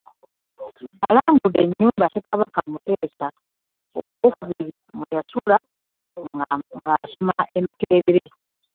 Alambudde ennyumba ssekabaka Muteesa owookubiri mwe yasula ng'asoma e Makerere